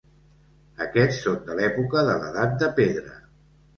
Aquests són de l'època de l'edat de pedra.